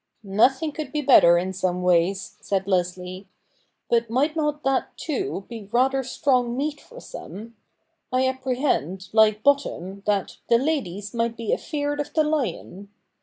' Nothing could be better in some ways,' said Leslie ;' but might not that, too, be rather strong meat for some ? I apprehend, like Bottom, that " the ladies might be afeared of the lion."